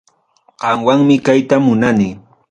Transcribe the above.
Qamwanmi kayta munani.